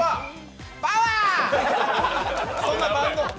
パワー！